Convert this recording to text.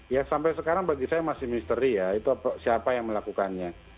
ya sampai sekarang bagi saya masih misteri ya itu siapa yang melakukannya